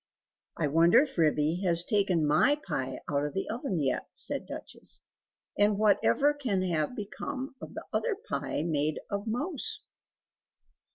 "I wonder if Ribby has taken MY pie out of the oven yet?" said Duchess, "and whatever can have become of the other pie made of mouse?"